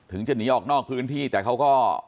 จะหนีออกนอกพื้นที่แต่เขาก็